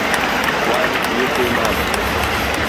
Wan nyithi mama